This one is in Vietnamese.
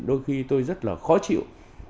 đôi khi tôi rất là khó chịu